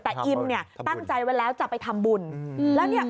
แต่อิมเนี่ยตั้งใจวันแล้วจะไปทำบุญ